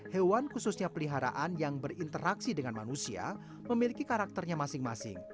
hewan khususnya peliharaan yang berinteraksi dengan manusia memiliki karakternya masing masing